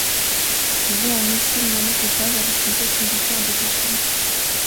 Il est un missile mono-étage avec une tête militaire détachable.